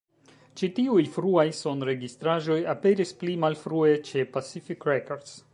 Ĉi tiuj fruaj sonregistraĵoj aperis pli malfrue ĉe Pacific Records.